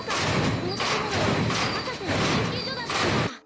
このたてものは博士のけんきゅうじょだったんだ！